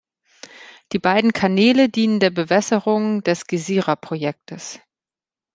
Die beiden Kanäle dienen der Bewässerung des Gezira-Projektes.